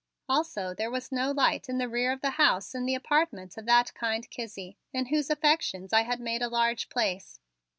Also there was no light in the rear of the house in the apartment of that kind Kizzie, in whose affections I had made a large place.